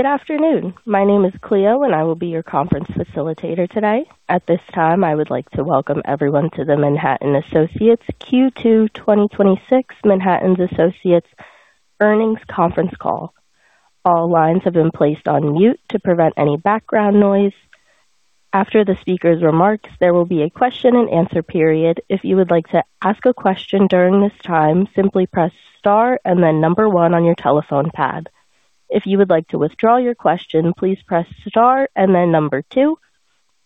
Good afternoon. My name is Cleo, and I will be your conference facilitator today. At this time, I would like to welcome everyone to the Manhattan Associates Q2 2026 Manhattan Associates Earnings Conference Call. All lines have been placed on mute to prevent any background noise. After the speaker's remarks, there will be a question and answer period. If you would like to ask a question during this time, simply press star and then number one on your telephone pad. If you would like to withdraw your question, please press star and then number two.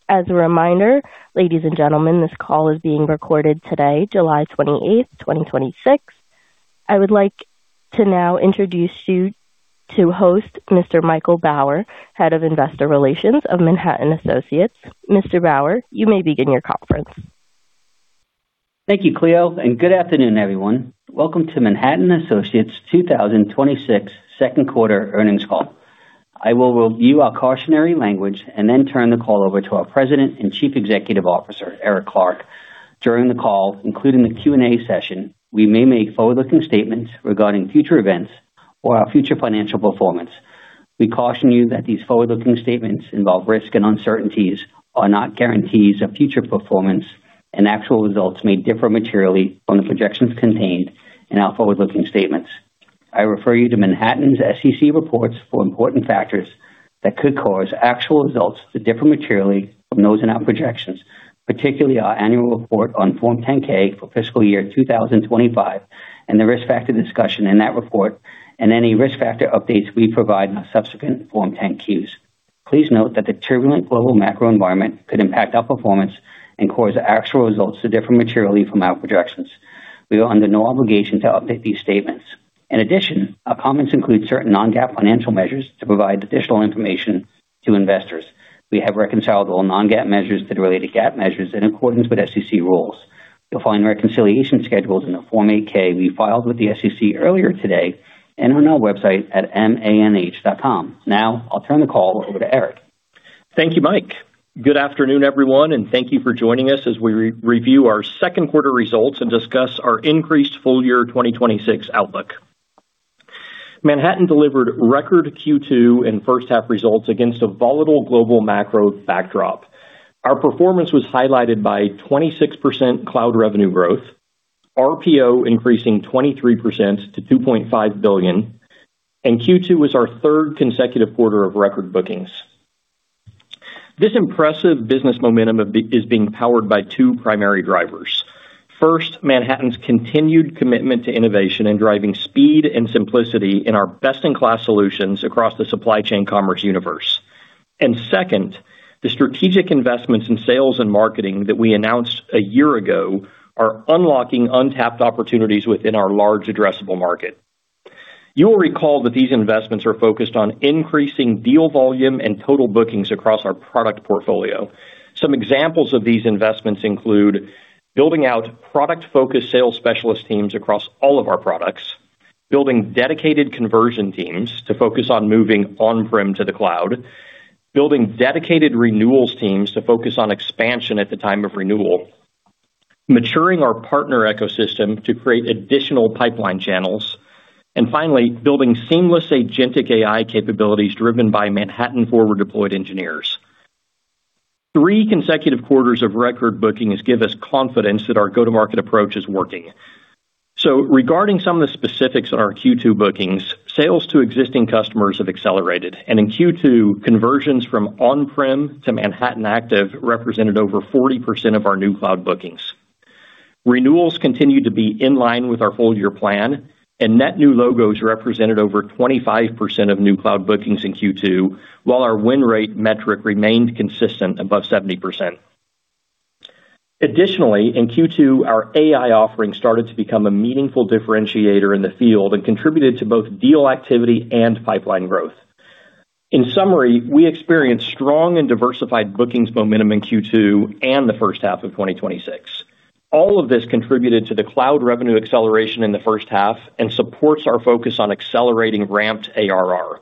As a reminder, ladies and gentlemen, this call is being recorded today, July 28th, 2026. I would like to now introduce you to host, Mr. Michael Bauer, Head of Investor Relations of Manhattan Associates. Mr. Bauer, you may begin your conference. Thank you, Cleo. Good afternoon, everyone. Welcome to Manhattan Associates 2026 second quarter earnings call. I will review our cautionary language and then turn the call over to our President and Chief Executive Officer, Eric Clark. During the call, including the Q&A session, we may make forward-looking statements regarding future events or our future financial performance. We caution you that these forward-looking statements involve risk and uncertainties, are not guarantees of future performance, and actual results may differ materially from the projections contained in our forward-looking statements. I refer you to Manhattan's SEC reports for important factors that could cause actual results to differ materially from those in our projections, particularly our annual report on Form 10-K for fiscal year 2025 and the risk factor discussion in that report and any risk factor updates we provide in our subsequent Form 10-Qs. Please note that the turbulent global macro environment could impact our performance and cause actual results to differ materially from our projections. We are under no obligation to update these statements. In addition, our comments include certain non-GAAP financial measures to provide additional information to investors. We have reconciled all non-GAAP measures to the related GAAP measures in accordance with SEC rules. You'll find reconciliation schedules in the Form 8-K we filed with the SEC earlier today and on our website at manh.com. Now I'll turn the call over to Eric. Thank you, Mike. Good afternoon, everyone. Thank you for joining us as we review our second quarter results and discuss our increased full year 2026 outlook. Manhattan delivered record Q2 and first half results against a volatile global macro backdrop. Our performance was highlighted by 26% cloud revenue growth, RPO increasing 23% to $2.5 billion, and Q2 was our third consecutive quarter of record bookings. This impressive business momentum is being powered by two primary drivers. First, Manhattan's continued commitment to innovation and driving speed and simplicity in our best-in-class solutions across the supply chain commerce universe. Second, the strategic investments in sales and marketing that we announced a year ago are unlocking untapped opportunities within our large addressable market. You will recall that these investments are focused on increasing deal volume and total bookings across our product portfolio. Some examples of these investments include building out product-focused sales specialist teams across all of our products. Building dedicated conversion teams to focus on moving on-prem to the cloud. Building dedicated renewals teams to focus on expansion at the time of renewal. Maturing our partner ecosystem to create additional pipeline channels. Finally, building seamless agentic AI capabilities driven by Manhattan forward-deployed engineers. Three consecutive quarters of record bookings give us confidence that our go-to-market approach is working. Regarding some of the specifics on our Q2 bookings, sales to existing customers have accelerated, and in Q2, conversions from on-prem to Manhattan Active represented over 40% of our new cloud bookings. Renewals continue to be in line with our full year plan, and net new logos represented over 25% of new cloud bookings in Q2, while our win rate metric remained consistent above 70%. Additionally, in Q2, our AI offering started to become a meaningful differentiator in the field and contributed to both deal activity and pipeline growth. In summary, we experienced strong and diversified bookings momentum in Q2 and the first half of 2026. All of this contributed to the cloud revenue acceleration in the first half and supports our focus on accelerating ramped ARR.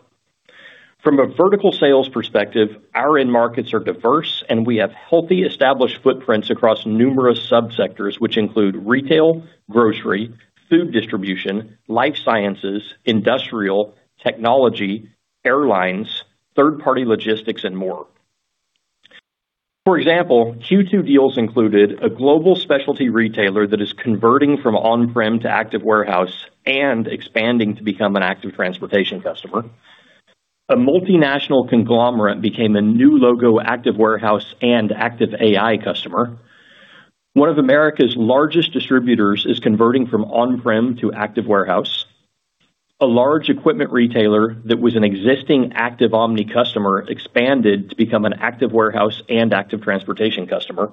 From a vertical sales perspective, our end markets are diverse, and we have healthy established footprints across numerous sub-sectors, which include retail, grocery, food distribution, life sciences, industrial, technology, airlines, third-party logistics, and more. For example, Q2 deals included a global specialty retailer that is converting from on-prem to ActiveWarehouse and expanding to become an ActiveTransportation customer. A multinational conglomerate became a new logo ActiveWarehouse and Active AI customer. One of America's largest distributors is converting from on-prem to ActiveWarehouse. A large equipment retailer that was an existing Active Omni customer expanded to become an ActiveWarehouse and ActiveTransportation customer.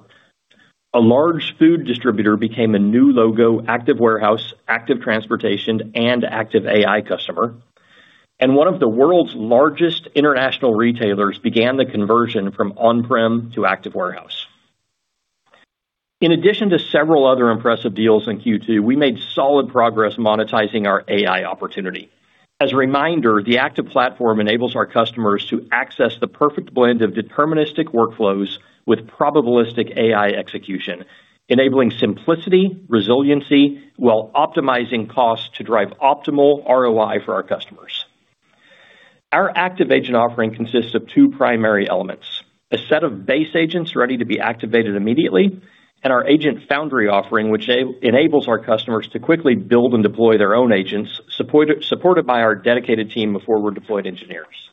A large food distributor became a new logo ActiveWarehouse, ActiveTransportation, and Active AI customer. One of the world's largest international retailers began the conversion from on-prem to ActiveWarehouse. In addition to several other impressive deals in Q2, we made solid progress monetizing our AI opportunity. As a reminder, the ActivePlatform enables our customers to access the perfect blend of deterministic workflows with probabilistic AI execution, enabling simplicity, resiliency, while optimizing costs to drive optimal ROI for our customers. Our ActiveAgents offering consists of two primary elements, a set of base agents ready to be activated immediately, and our Agent Foundry offering, which enables our customers to quickly build and deploy their own agents, supported by our dedicated team of forward-deployed engineers.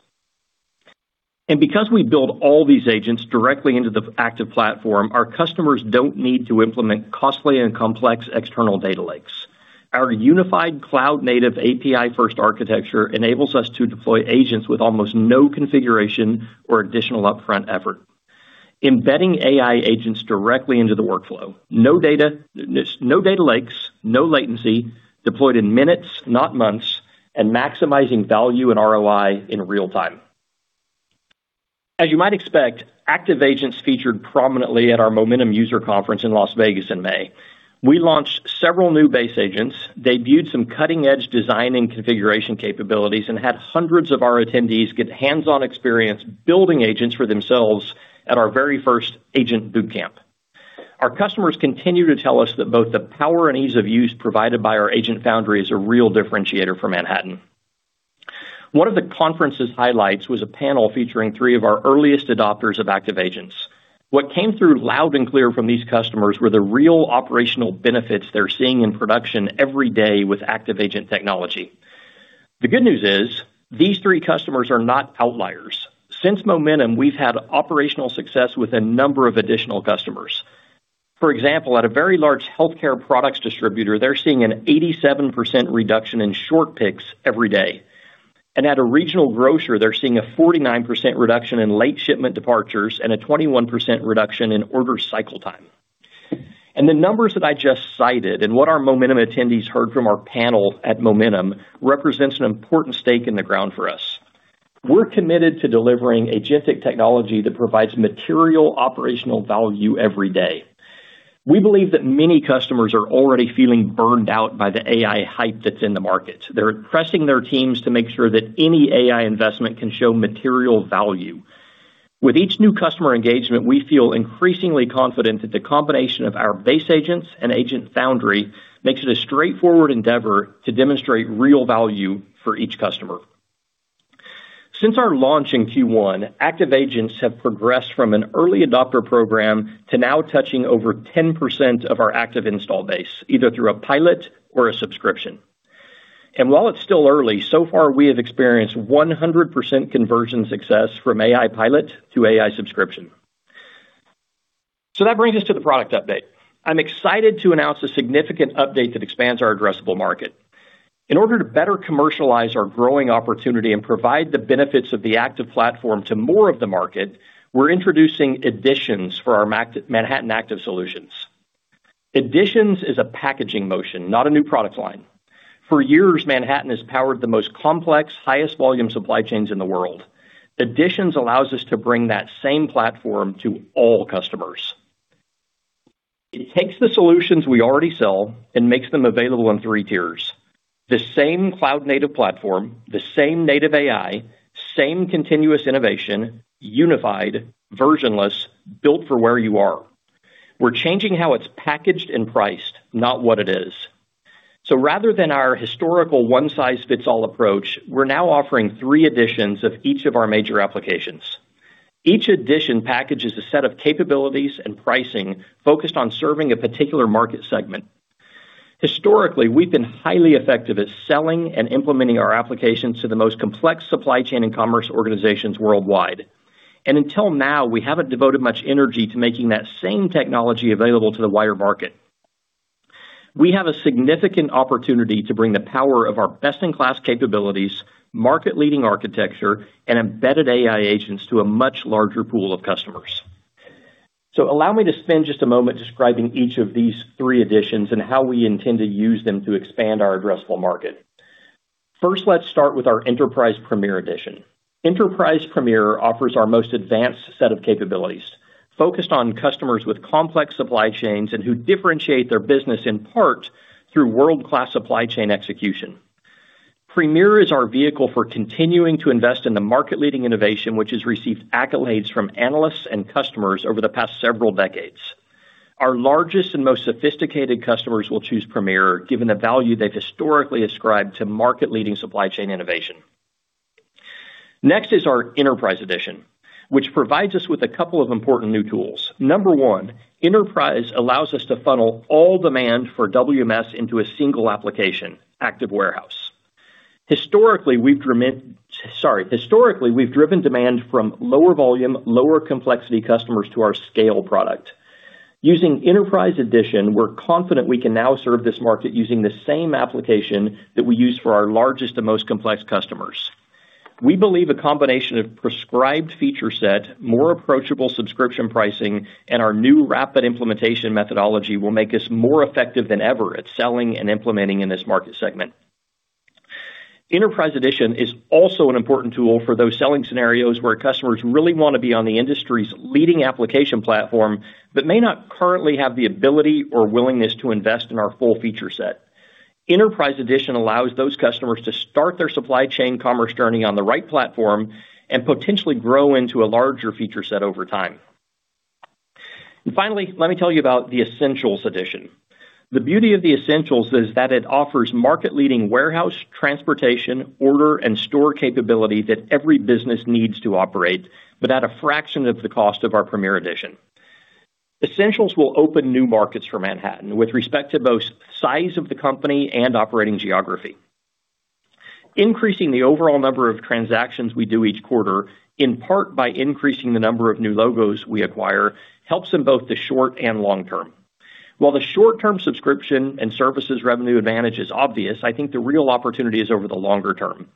Because we build all these agents directly into the ActivePlatform, our customers don't need to implement costly and complex external data lakes. Our unified cloud-native API first architecture enables us to deploy agents with almost no configuration or additional upfront effort. Embedding AI agents directly into the workflow, no data lakes, no latency, deployed in minutes, not months, maximizing value and ROI in real time. As you might expect, ActiveAgents featured prominently at our Momentum user conference in Las Vegas in May. We launched several new base agents, debuted some cutting-edge design and configuration capabilities, and had hundreds of our attendees get hands-on experience building agents for themselves at our very first agent boot camp. Our customers continue to tell us that both the power and ease of use provided by our Agent Foundry is a real differentiator for Manhattan. One of the conference's highlights was a panel featuring three of our earliest adopters of ActiveAgents. What came through loud and clear from these customers were the real operational benefits they're seeing in production every day with ActiveAgents technology. The good news is, these three customers are not outliers. Since Momentum, we've had operational success with a number of additional customers. For example, at a very large healthcare products distributor, they're seeing an 87% reduction in short picks every day. At a regional grocer, they're seeing a 49% reduction in late shipment departures and a 21% reduction in order cycle time. The numbers that I just cited and what our Momentum attendees heard from our panel at Momentum represents an important stake in the ground for us. We're committed to delivering agentic technology that provides material operational value every day. We believe that many customers are already feeling burned out by the AI hype that's in the market. They're pressing their teams to make sure that any AI investment can show material value. With each new customer engagement, we feel increasingly confident that the combination of our base agents and Agent Foundry makes it a straightforward endeavor to demonstrate real value for each customer. Since our launch in Q1, ActiveAgents have progressed from an early adopter program to now touching over 10% of our Active install base, either through a pilot or a subscription. While it's still early, so far, we have experienced 100% conversion success from AI pilot to AI subscription. That brings us to the product update. I'm excited to announce a significant update that expands our addressable market. In order to better commercialize our growing opportunity and provide the benefits of the ActivePlatform to more of the market, we're introducing Editions for our Manhattan Active Solutions. Editions is a packaging motion, not a new product line. For years, Manhattan has powered the most complex, highest volume supply chains in the world. Editions allows us to bring that same platform to all customers. It takes the solutions we already sell and makes them available in three tiers. The same cloud native platform, the same native AI, same continuous innovation, unified, versionless, built for where you are. We're changing how it's packaged and priced, not what it is. Rather than our historical one size fits all approach, we're now offering three editions of each of our major applications. Each edition packages a set of capabilities and pricing focused on serving a particular market segment. Historically, we've been highly effective at selling and implementing our applications to the most complex supply chain and commerce organizations worldwide. Until now, we haven't devoted much energy to making that same technology available to the wider market. We have a significant opportunity to bring the power of our best-in-class capabilities, market leading architecture, and embedded AI agents to a much larger pool of customers. Allow me to spend just a moment describing each of these three editions and how we intend to use them to expand our addressable market. First, let's start with our Enterprise Premier Edition. Enterprise Premier offers our most advanced set of capabilities, focused on customers with complex supply chains and who differentiate their business in part through world-class supply chain execution. Premier is our vehicle for continuing to invest in the market leading innovation, which has received accolades from analysts and customers over the past several decades. Our largest and most sophisticated customers will choose Premier, given the value they've historically ascribed to market leading supply chain innovation. Next is our Enterprise Edition, which provides us with a couple of important new tools. Number one, Enterprise allows us to funnel all demand for WMS into a single application, ActiveWarehouse. Historically, we've driven demand from lower volume, lower complexity customers to our SCALE product. Using Enterprise Edition, we're confident we can now serve this market using the same application that we use for our largest and most complex customers. We believe a combination of prescribed feature set, more approachable subscription pricing, and our new rapid implementation methodology will make us more effective than ever at selling and implementing in this market segment. Enterprise Edition is also an important tool for those selling scenarios where customers really want to be on the industry's leading application platform, but may not currently have the ability or willingness to invest in our full feature set. Enterprise Edition allows those customers to start their supply chain commerce journey on the right platform and potentially grow into a larger feature set over time. Finally, let me tell you about the Essentials Edition. The beauty of the Essentials is that it offers market-leading warehouse, transportation, order, and store capability that every business needs to operate, but at a fraction of the cost of our Premier Edition. Essentials will open new markets for Manhattan with respect to both size of the company and operating geography. Increasing the overall number of transactions we do each quarter, in part by increasing the number of new logos we acquire, helps in both the short and long term. While the short-term subscription and services revenue advantage is obvious, I think the real opportunity is over the longer term.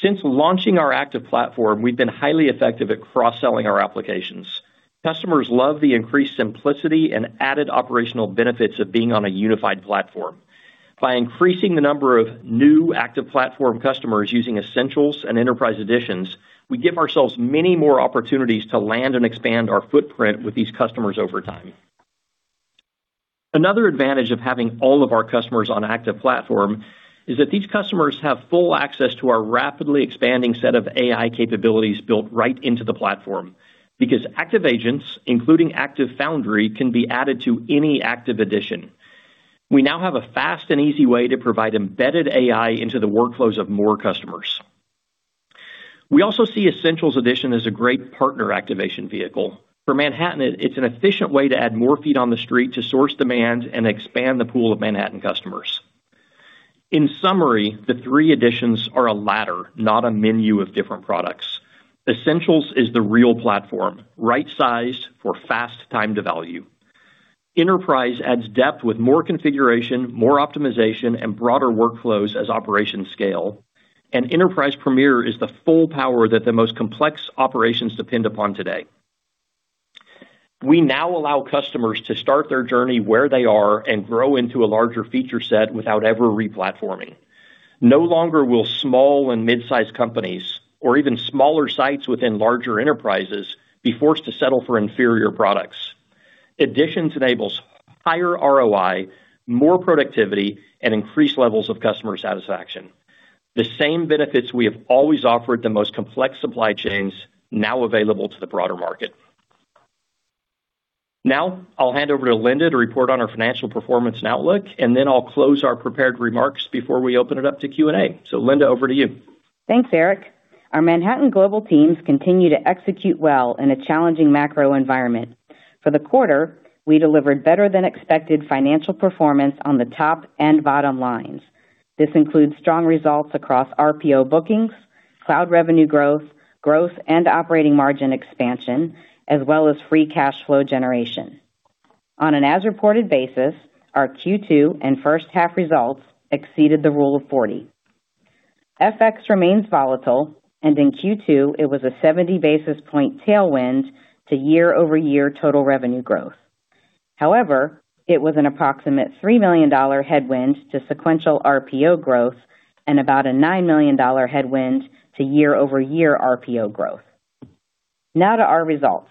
Since launching our ActivePlatform, we've been highly effective at cross-selling our applications. Customers love the increased simplicity and added operational benefits of being on a unified platform. By increasing the number of new ActivePlatform customers using Essentials and Enterprise Editions, we give ourselves many more opportunities to land and expand our footprint with these customers over time. Another advantage of having all of our customers on ActivePlatform is that these customers have full access to our rapidly expanding set of AI capabilities built right into the platform. Because ActiveAgents, including Agent Foundry, can be added to any Active Edition. We now have a fast and easy way to provide embedded AI into the workflows of more customers. We also see Essentials Edition as a great partner activation vehicle. For Manhattan, it's an efficient way to add more feet on the street to source demand and expand the pool of Manhattan customers. In summary, the three editions are a ladder, not a menu of different products. Essentials is the real platform, right sized for fast time to value. Enterprise adds depth with more configuration, more optimization, and broader workflows as operations scale. Enterprise Premier is the full power that the most complex operations depend upon today. We now allow customers to start their journey where they are and grow into a larger feature set without ever replatforming. No longer will small and mid-size companies, or even smaller sites within larger enterprises, be forced to settle for inferior products. Editions enables higher ROI, more productivity, and increased levels of customer satisfaction. The same benefits we have always offered the most complex supply chains, now available to the broader market. I'll hand over to Linda to report on our financial performance and outlook, and then I'll close our prepared remarks before we open it up to Q&A. Linda, over to you. Thanks, Eric. Our Manhattan global teams continue to execute well in a challenging macro environment. For the quarter, we delivered better than expected financial performance on the top and bottom lines. This includes strong results across RPO bookings, cloud revenue growth and operating margin expansion, as well as free cash flow generation. On an as-reported basis, our Q2 and first half results exceeded the rule of 40. FX remains volatile, and in Q2, it was a 70 basis points tailwind to year-over-year total revenue growth. However, it was an approximate $3 million headwind to sequential RPO growth and about a $9 million headwind to year-over-year RPO growth. To our results.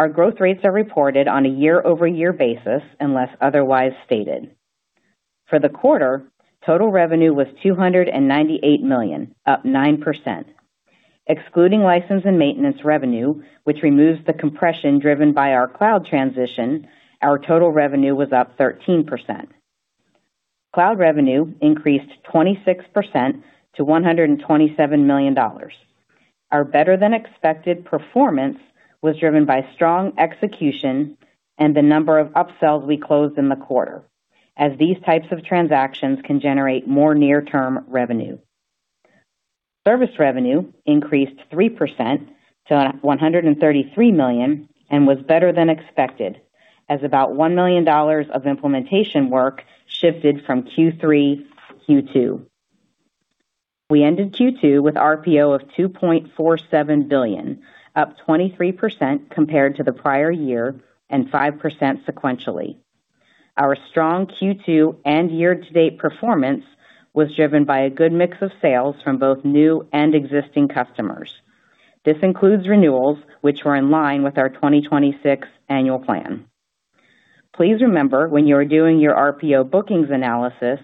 Our growth rates are reported on a year-over-year basis unless otherwise stated. For the quarter, total revenue was $298 million, up 9%. Excluding license and maintenance revenue, which removes the compression driven by our cloud transition, our total revenue was up 13%. Cloud revenue increased 26% to $127 million. Our better than expected performance was driven by strong execution and the number of upsells we closed in the quarter, as these types of transactions can generate more near-term revenue. Service revenue increased 3% to $133 million and was better than expected, as about $1 million of implementation work shifted from Q3 to Q2. We ended Q2 with RPO of $2.47 billion, up 23% compared to the prior year and 5% sequentially. Our strong Q2 and year-to-date performance was driven by a good mix of sales from both new and existing customers. This includes renewals, which were in line with our 2026 annual plan. Please remember, when you are doing your RPO bookings analysis,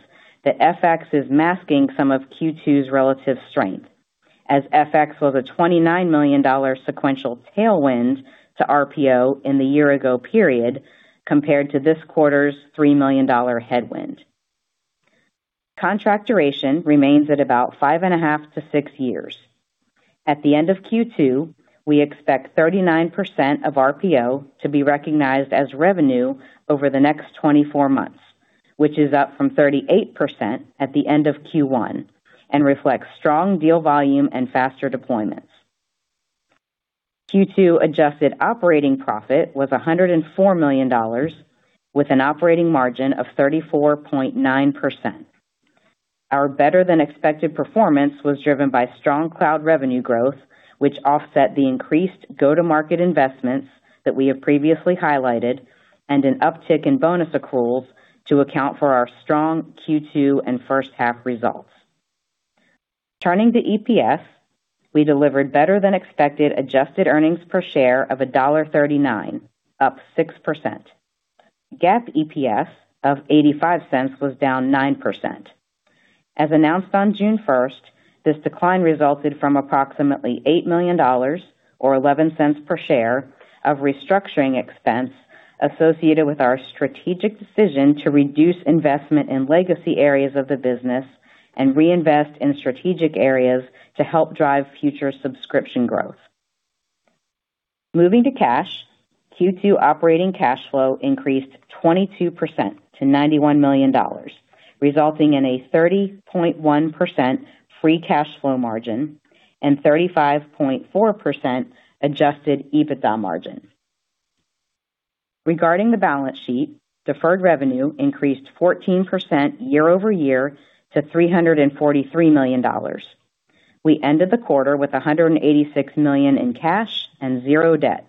that FX is masking some of Q2's relative strength, as FX was a $29 million sequential tailwind to RPO in the year ago period, compared to this quarter's $3 million headwind. Contract duration remains at about five and a half to six years. At the end of Q2, we expect 39% of RPO to be recognized as revenue over the next 24 months, which is up from 38% at the end of Q1, and reflects strong deal volume and faster deployments. Q2 adjusted operating profit was $104 million, with an operating margin of 34.9%. Our better than expected performance was driven by strong cloud revenue growth, which offset the increased go-to-market investments that we have previously highlighted, and an uptick in bonus accruals to account for our strong Q2 and first half results. Turning to EPS, we delivered better than expected adjusted earnings per share of $1.39, up 6%. GAAP EPS of $0.85 was down 9%. As announced on June 1st, this decline resulted from approximately $8 million, or $0.11 per share, of restructuring expense associated with our strategic decision to reduce investment in legacy areas of the business and reinvest in strategic areas to help drive future subscription growth. Moving to cash, Q2 operating cash flow increased 22% to $91 million, resulting in a 30.1% free cash flow margin and 35.4% adjusted EBITDA margin. Regarding the balance sheet, deferred revenue increased 14% year-over-year to $343 million. We ended the quarter with $186 million in cash and zero debt.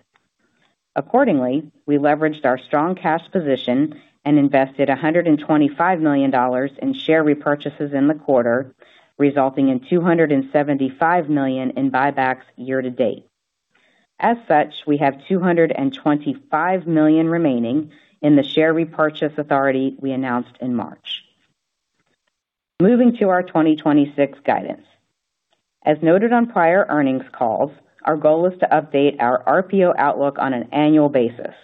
Accordingly, we leveraged our strong cash position and invested $125 million in share repurchases in the quarter, resulting in $275 million in buybacks year to date. As such, we have $225 million remaining in the share repurchase authority we announced in March. Moving to our 2026 guidance. As noted on prior earnings calls, our goal is to update our RPO outlook on an annual basis.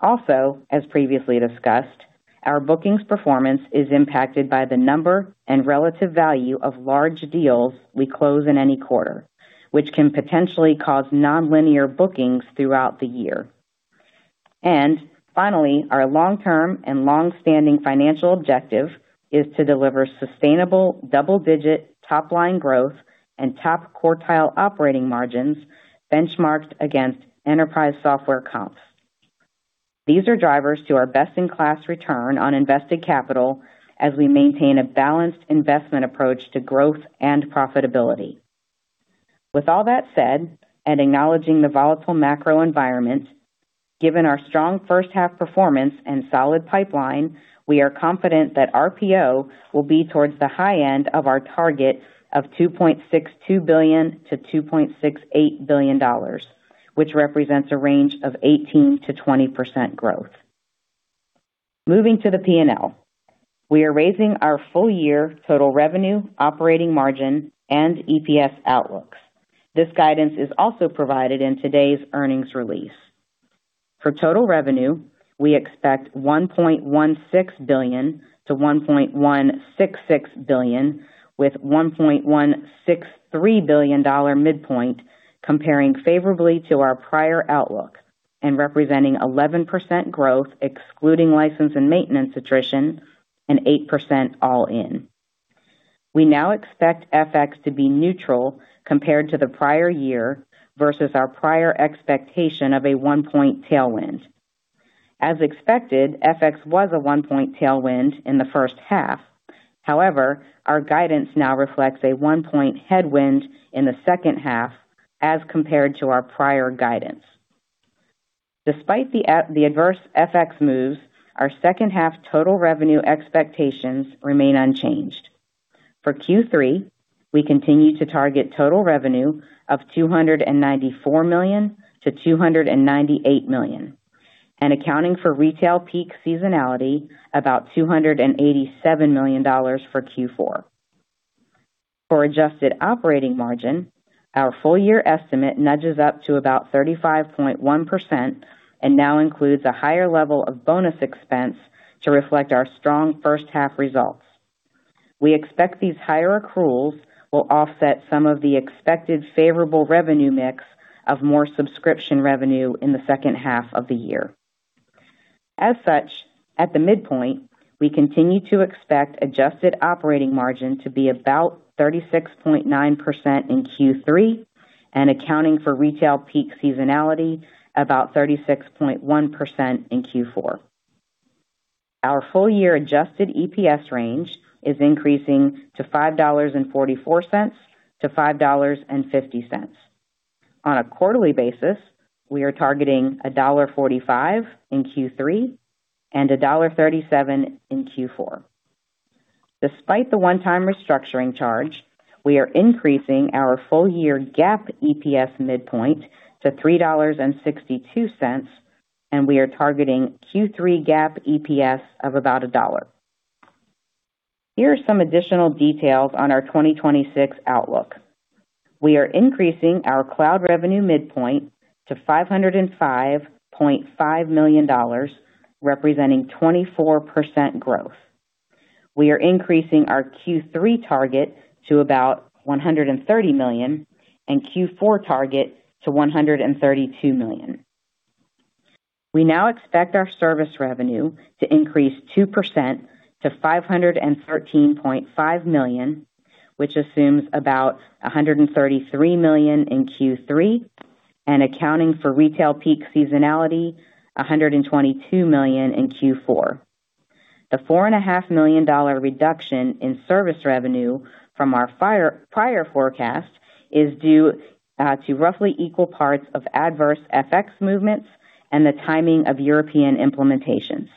Also, as previously discussed, our bookings performance is impacted by the number and relative value of large deals we close in any quarter, which can potentially cause nonlinear bookings throughout the year. Finally, our long-term and longstanding financial objective is to deliver sustainable double-digit top-line growth and top quartile operating margins benchmarked against enterprise software comps. These are drivers to our best-in-class return on invested capital as we maintain a balanced investment approach to growth and profitability. With all that said, acknowledging the volatile macro environment, given our strong first half performance and solid pipeline, we are confident that RPO will be towards the high end of our target of $2.62 billion-$2.68 billion, which represents a range of 18%-20% growth. Moving to the P&L. We are raising our full year total revenue, operating margin, and EPS outlooks. This guidance is also provided in today's earnings release. For total revenue, we expect $1.16 billion-$1.166 billion, with $1.163 billion midpoint, comparing favorably to our prior outlook and representing 11% growth excluding license and maintenance attrition and 8% all in. We now expect FX to be neutral compared to the prior year versus our prior expectation of a 1 point tailwind. As expected, FX was a 1 point tailwind in the first half. However, our guidance now reflects a 1 point headwind in the second half as compared to our prior guidance. Despite the adverse FX moves, our second half total revenue expectations remain unchanged. For Q3, we continue to target total revenue of $294 million-$298 million, and accounting for retail peak seasonality, about $287 million for Q4. For adjusted operating margin, our full year estimate nudges up to about 35.1% and now includes a higher level of bonus expense to reflect our strong first half results. We expect these higher accruals will offset some of the expected favorable revenue mix of more subscription revenue in the second half of the year. As such, at the midpoint, we continue to expect adjusted operating margin to be about 36.9% in Q3 and, accounting for retail peak seasonality, about 36.1% in Q4. Our full year adjusted EPS range is increasing to $5.44-$5.50. On a quarterly basis, we are targeting $1.45 in Q3 and $1.37 in Q4. Despite the one-time restructuring charge, we are increasing our full year GAAP EPS midpoint to $3.62, and we are targeting Q3 GAAP EPS of about $1. Here are some additional details on our 2026 outlook. We are increasing our cloud revenue midpoint to $505.5 million, representing 24% growth. We are increasing our Q3 target to about $130 million and Q4 target to $132 million. We now expect our service revenue to increase 2% to $513.5 million, which assumes about $133 million in Q3 and, accounting for retail peak seasonality, $122 million in Q4. The $4.5 million reduction in service revenue from our prior forecast is due to roughly equal parts of adverse FX movements and the timing of European implementations.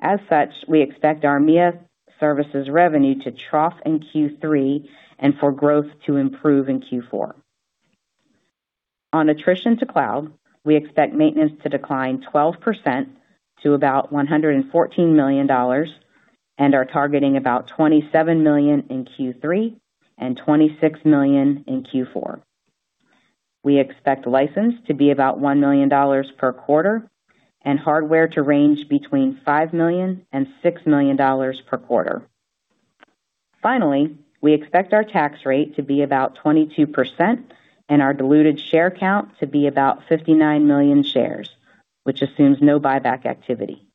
As such, we expect our EMEA services revenue to trough in Q3 and for growth to improve in Q4. On attrition to cloud, we expect maintenance to decline 12% to about $114 million, and are targeting about $27 million in Q3 and $26 million in Q4. We expect license to be about $1 million per quarter, and hardware to range between $5 million-$6 million per quarter. Finally, we expect our tax rate to be about 22%, and our diluted share count to be about 59 million shares, which assumes no buyback activity.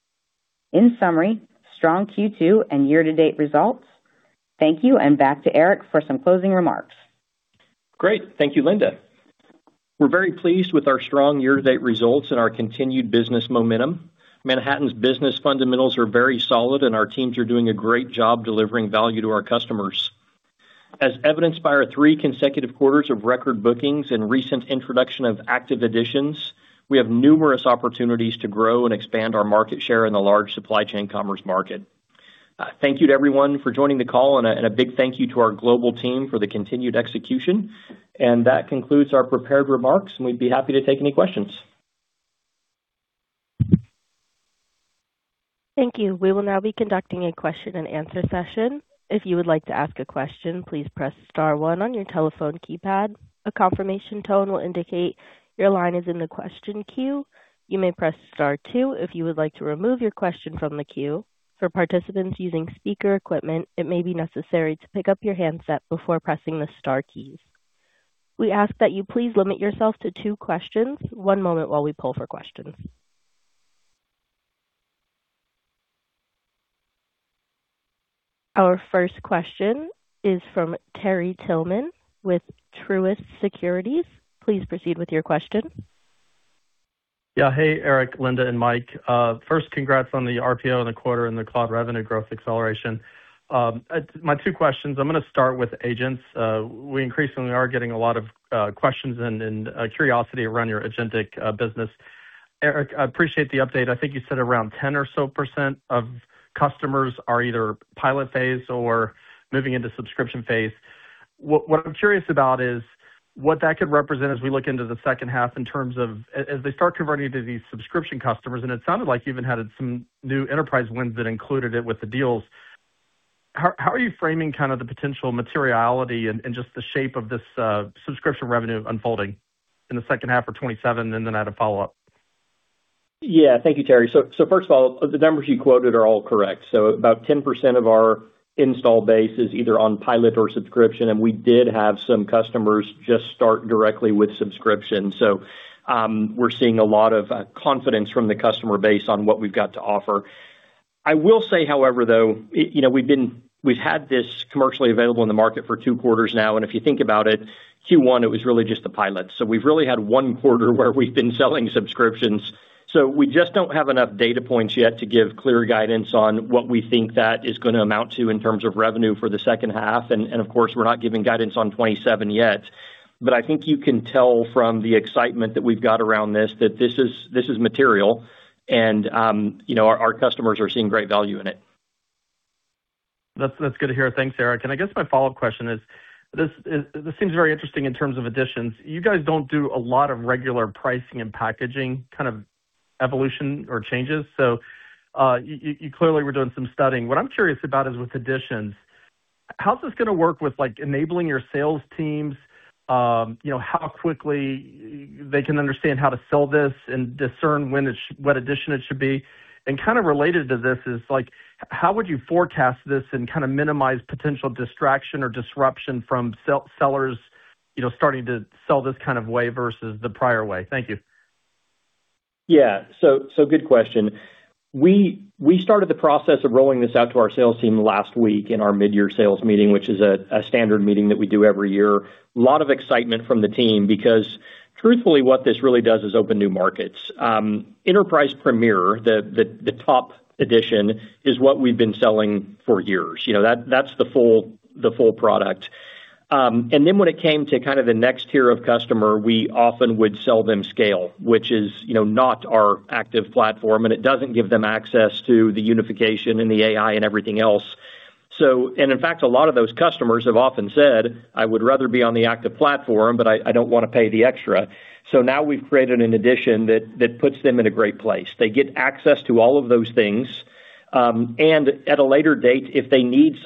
In summary, strong Q2 and year-to-date results. Thank you, and back to Eric for some closing remarks. Great. Thank you, Linda. We're very pleased with our strong year-to-date results and our continued business momentum. Manhattan's business fundamentals are very solid, and our teams are doing a great job delivering value to our customers. As evidenced by our three consecutive quarters of record bookings and recent introduction of Active Editions, we have numerous opportunities to grow and expand our market share in the large supply chain commerce market. Thank you to everyone for joining the call, and a big thank you to our global team for the continued execution. That concludes our prepared remarks, and we'd be happy to take any questions. Thank you. We will now be conducting a question and answer session. If you would like to ask a question, please press star one on your telephone keypad. A confirmation tone will indicate your line is in the question queue. You may press star two if you would like to remove your question from the queue. For participants using speaker equipment, it may be necessary to pick up your handset before pressing the star keys. We ask that you please limit yourself to two questions. One moment while we pull for questions. Our first question is from Terry Tillman with Truist Securities. Please proceed with your question. Hey, Eric, Linda, and Mike. First, congrats on the RPO and the quarter and the cloud revenue growth acceleration. My two questions, I am going to start with agents. We increasingly are getting a lot of questions and curiosity around your agentic business. Eric, I appreciate the update. I think you said around 10% or so of customers are either pilot phase or moving into subscription phase. What I am curious about is what that could represent as we look into the second half in terms of, as they start converting to these subscription customers, and it sounded like you even had some new Enterprise wins that included it with the deals. How are you framing kind of the potential materiality and just the shape of this subscription revenue unfolding in the second half for 2027? I had a follow-up. Thank you, Terry. First of all, the numbers you quoted are all correct. About 10% of our install base is either on pilot or subscription, and we did have some customers just start directly with subscription. We are seeing a lot of confidence from the customer base on what we have got to offer. I will say, however, though, we have had this commercially available in the market for two quarters now, and if you think about it, Q1, it was really just the pilot. We have really had one quarter where we have been selling subscriptions. We just do not have enough data points yet to give clear guidance on what we think that is going to amount to in terms of revenue for the second half. Of course, we are not giving guidance on 2027 yet. I think you can tell from the excitement that we have got around this, that this is material and our customers are seeing great value in it. That is good to hear. Thanks, Eric. I guess my follow-up question is, this seems very interesting in terms of additions. You guys do not do a lot of regular pricing and packaging kind of evolution or changes. You clearly were doing some studying. What I am curious about is with additions, how is this going to work with enabling your sales teams? How quickly they can understand how to sell this and discern what addition it should be? Kind of related to this is, how would you forecast this and kind of minimize potential distraction or disruption from sellers starting to sell this kind of way versus the prior way? Thank you. Good question. We started the process of rolling this out to our sales team last week in our mid-year sales meeting, which is a standard meeting that we do every year. Lot of excitement from the team because truthfully, what this really does is open new markets. Enterprise Premier, the top edition, is what we've been selling for years. That's the full product. When it came to kind of the next tier of customer, we often would sell them SCALE, which is not our ActivePlatform, and it doesn't give them access to the unification and the AI and everything else. In fact, a lot of those customers have often said, "I would rather be on the ActivePlatform, but I don't want to pay the extra." Now we've created an addition that puts them in a great place. They get access to all of those things. At a later date, if they need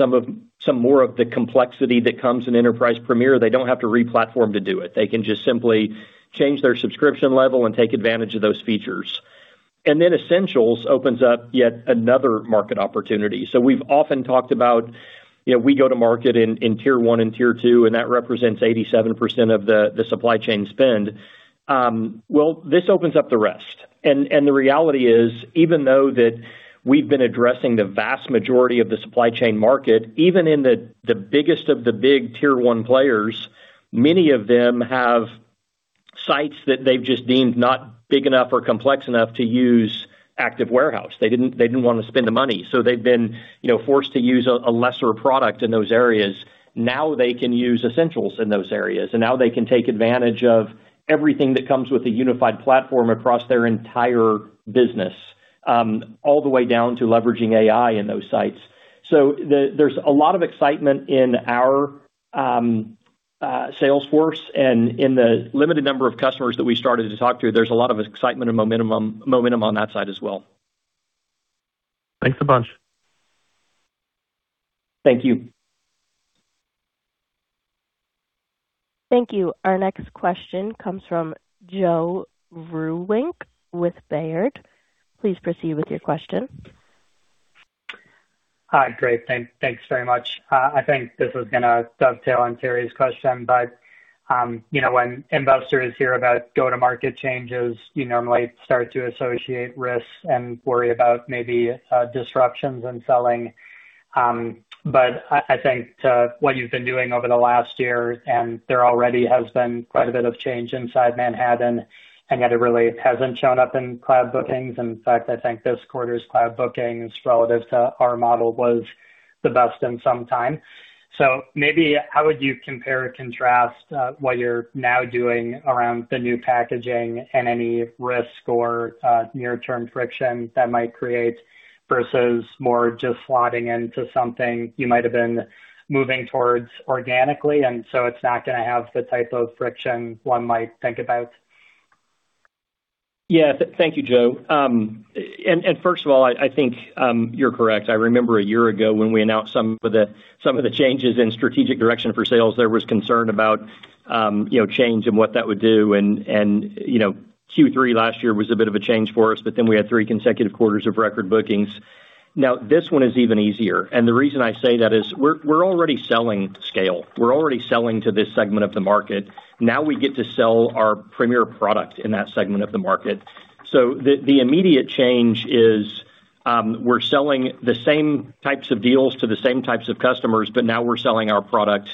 some more of the complexity that comes in Enterprise Premier, they don't have to re-platform to do it. They can just simply change their subscription level and take advantage of those features. Essentials opens up yet another market opportunity. We've often talked about, we go to market in tier one and tier two, and that represents 87% of the supply chain spend. This opens up the rest. The reality is, even though that we've been addressing the vast majority of the supply chain market, even in the biggest of the big tier one players, many of them have sites that they've just deemed not big enough or complex enough to use ActiveWarehouse. They didn't want to spend the money. They've been forced to use a lesser product in those areas. Now they can use Essentials in those areas, and now they can take advantage of everything that comes with a unified platform across their entire business, all the way down to leveraging AI in those sites. There's a lot of excitement in our sales force and in the limited number of customers that we started to talk to. There's a lot of excitement and momentum on that side as well. Thanks a bunch. Thank you. Thank you. Our next question comes from Joe Vruwink with Baird. Please proceed with your question. Hi. Great. Thanks very much. I think this is gonna dovetail on Terry's question. When investors hear about go-to-market changes, normally start to associate risks and worry about maybe disruptions in selling. I think to what you've been doing over the last year, there already has been quite a bit of change inside Manhattan, yet it really hasn't shown up in cloud bookings. In fact, I think this quarter's cloud bookings relative to our model was the best in some time. Maybe how would you compare or contrast, what you're now doing around the new packaging and any risk or near-term friction that might create, versus more just slotting into something you might have been moving towards organically, it's not going to have the type of friction one might think about? Yeah. Thank you, Joe. First of all, I think, you're correct. I remember a year ago when we announced some of the changes in strategic direction for sales, there was concern about change and what that would do. Q3 last year was a bit of a change for us, we had three consecutive quarters of record bookings. This one is even easier. The reason I say that is we're already selling SCALE. We're already selling to this segment of the market. We get to sell our Premier product in that segment of the market. The immediate change is, we're selling the same types of deals to the same types of customers, we're selling our product.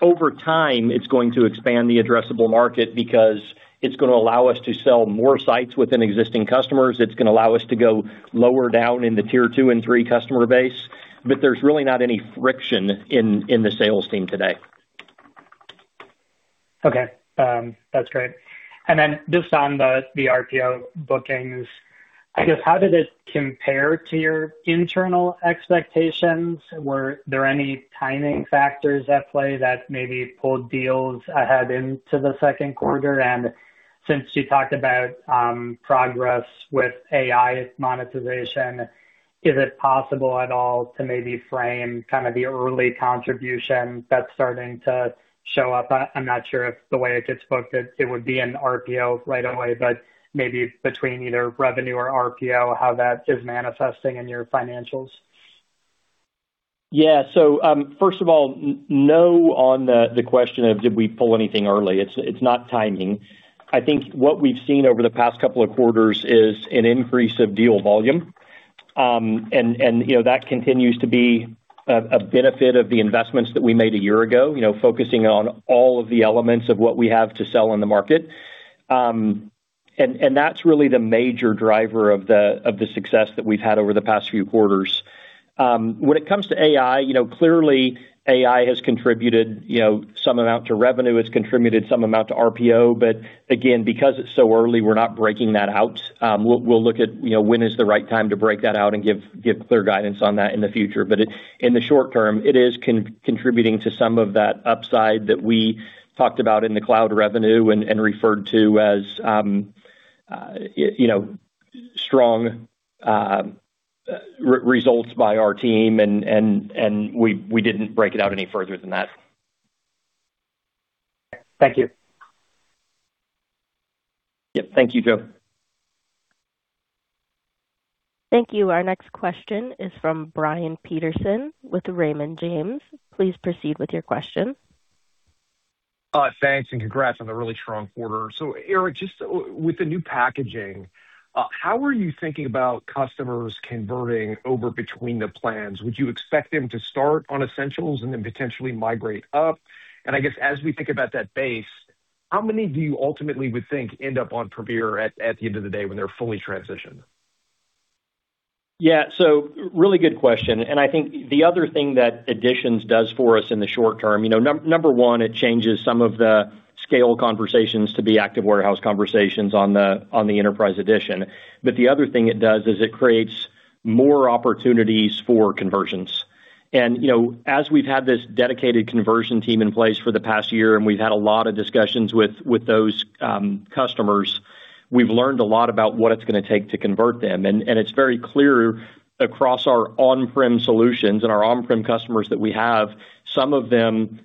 Over time, it's going to expand the addressable market because it's going to allow us to sell more sites within existing customers. It's going to allow us to go lower down in the tier two and three customer base. There's really not any friction in the sales team today. Okay. That's great. Then just on the RPO bookings, I guess how did it compare to your internal expectations? Were there any timing factors at play that maybe pulled deals ahead into the second quarter? Since you talked about progress with AI monetization, is it possible at all to maybe frame kind of the early contribution that's starting to show up? I'm not sure if the way it gets booked it would be in RPO right away, but maybe between either revenue or RPO, how that is manifesting in your financials. Yeah. First of all, no on the question of did we pull anything early? It's not timing. I think what we've seen over the past couple of quarters is an increase of deal volume. That continues to be a benefit of the investments that we made a year ago, focusing on all of the elements of what we have to sell on the market. That's really the major driver of the success that we've had over the past few quarters. When it comes to AI, clearly AI has contributed some amount to revenue. It's contributed some amount to RPO. Again, because it's so early, we're not breaking that out. We'll look at when is the right time to break that out and give clear guidance on that in the future. In the short term, it is contributing to some of that upside that we talked about in the cloud revenue and referred to as strong results by our team, and we didn't break it out any further than that. Thank you. Yep. Thank you, Joe. Thank you. Our next question is from Brian Peterson with Raymond James. Please proceed with your question. Thanks. Congrats on the really strong quarter. Eric, just with the new packaging, how are you thinking about customers converting over between the plans? Would you expect them to start on Essentials and then potentially migrate up? I guess as we think about that base, how many do you ultimately would think end up on Premier at the end of the day when they're fully transitioned? Really good question, and I think the other thing that additions does for us in the short term, number one, it changes some of the SCALE conversations to be ActiveWarehouse conversations on the Enterprise Edition. The other thing it does is it creates more opportunities for conversions. As we've had this dedicated conversion team in place for the past year, and we've had a lot of discussions with those customers, we've learned a lot about what it's going to take to convert them. It's very clear across our on-prem solutions and our on-prem customers that we have, some of them